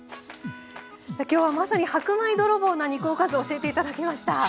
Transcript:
今日はまさに白米泥棒な肉おかずを教えて頂きました。